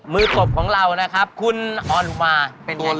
มือหกของเรานะครับคุณออนมาเป็นยังไง